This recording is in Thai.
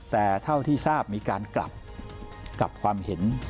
แต่เท่าที่ทราบมีการกลับกลับความเห็น